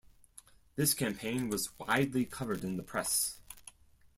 This campaign was widely covered in the press.